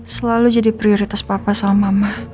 selalu jadi prioritas papa sama mama